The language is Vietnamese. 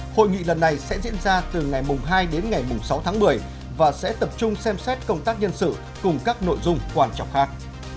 hội nghị lần này sẽ diễn ra từ ngày hai đến ngày sáu tháng một mươi và sẽ tập trung xem xét công tác nhân sự cùng các nội dung quan trọng khác